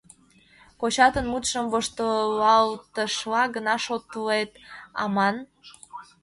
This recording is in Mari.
Кочатын мутшым воштылтышлан гына шотлет аман, — манам.